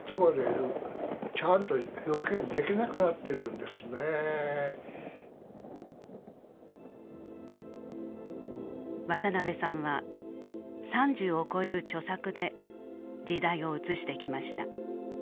だから渡辺さんは３０を超える著作で時代を映してきました。